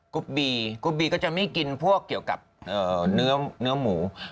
บีกรุ๊ปบีก็จะไม่กินพวกเกี่ยวกับเนื้อหมู